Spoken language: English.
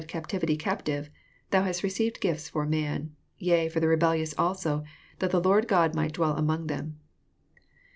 captivity captive : thou hast received gifts for man : yea, for I the rebellious also, that the Lord God might dwell among them."